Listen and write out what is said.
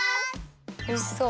おいしそう。